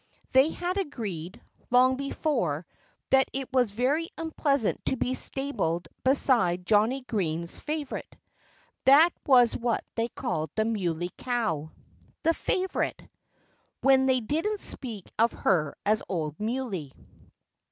They had agreed, long before, that it was very unpleasant to be stabled beside Johnnie Green's favorite. That was what they called the Muley Cow "the Favorite" (when they didn't speak of her as "old Muley").